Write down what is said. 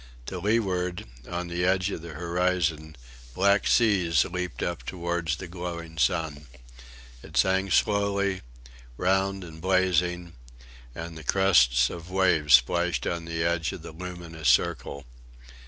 To leeward, on the edge of the horizon, black seas leaped up towards the glowing sun. It sank slowly, round and blazing, and the crests of waves splashed on the edge of the luminous circle.